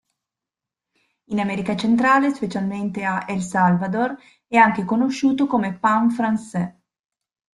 In America Centrale, specialmente a El Salvador, è anche conosciuto come "pan francés.